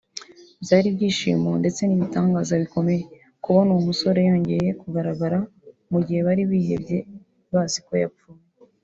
byari ibyishimo ndetse n’ibitangaza bikomeye kubona uwo musore yongeye kugaragara mu gihe bari barihebye bazi ko yapfuye